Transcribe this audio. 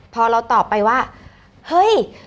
พอเราตอบไปว่าเฮ้ย